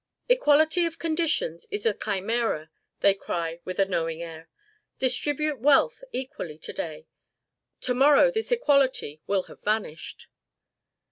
"Equality of conditions is a chimera," they cry with a knowing air; "distribute wealth equally to day to morrow this equality will have vanished."